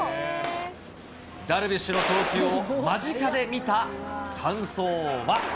ダルビッシュの投球を間近で見た感想は。